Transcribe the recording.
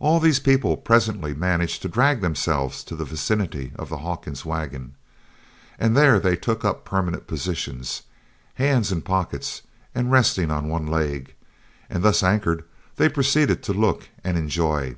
All these people presently managed to drag themselves to the vicinity of the Hawkins' wagon, and there they took up permanent positions, hands in pockets and resting on one leg; and thus anchored they proceeded to look and enjoy.